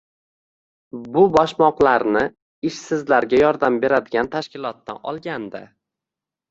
Bu boshmoqlarni ishsizlarga yordam beradigan tashkilotdan olgandi